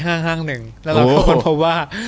แล้วเราก็ค้นพบว่า